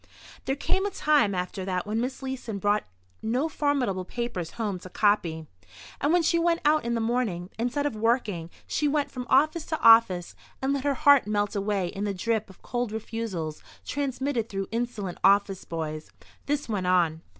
There came a time after that when Miss Leeson brought no formidable papers home to copy. And when she went out in the morning, instead of working, she went from office to office and let her heart melt away in the drip of cold refusals transmitted through insolent office boys. This went on.